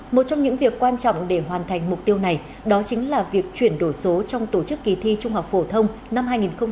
một trong những việc quan trọng để hoàn thành mục tiêu này đó chính là việc chuyển đổi số trong tổ chức kỳ thi trung học phổ thông năm hai nghìn hai mươi